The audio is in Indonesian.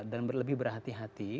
dan lebih berhati hati